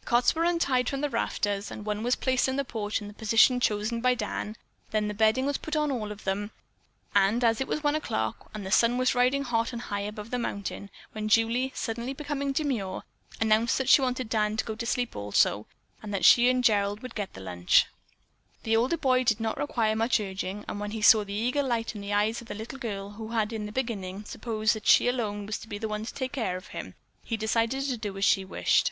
The cots were untied from the rafters and one was placed on the porch in the position chosen by Dan, then the bedding was put on all of them and it was 11 o'clock and the sun was riding hot and high above the mountain when Julie, suddenly becoming demure, announced that she wanted Dan to go to sleep also, and that she and Gerald would get the lunch. The older boy did not require much urging and when he saw the eager light in the eyes of the little girl, who had in the beginning supposed that she alone was to be the one to take care of him, he decided to do as she wished.